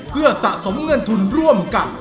เพื่อสะสมเงินทุนร่วมกัน